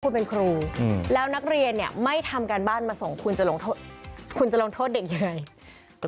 คุณเป็นครูแล้วนักเรียนไม่ทำการบ้านมาส่งคุณจะลงโทษเด็กอย่างไร